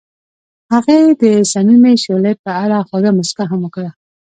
هغې د صمیمي شعله په اړه خوږه موسکا هم وکړه.